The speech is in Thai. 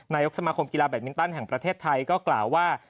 นายกสมาคมกีฬาแบตมินตันแห่งประเทศไทยก็กล่าวว่า